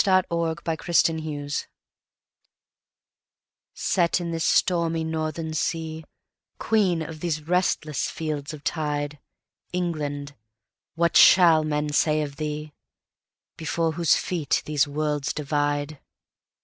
Ave Imperatrix SET in this stormy Northern sea, Queen of these restless fields of tide, England! what shall men say of thee, Before whose feet the worlds divide?